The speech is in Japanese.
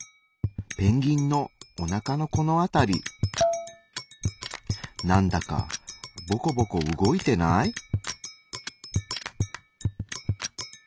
ペンギンのおなかのこの辺り何だかボコボコ動いてない？